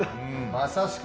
まさしく